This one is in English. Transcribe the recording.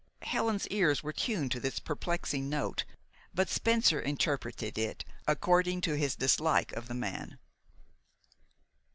Helen's ears were tuned to this perplexing note; but Spencer interpreted it according to his dislike of the man.